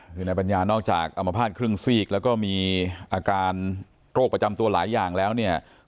คือนายปัญญานอกจากอมภาษณ์ครึ่งซีกแล้วก็มีอาการโรคประจำตัวหลายอย่างแล้วเนี่ย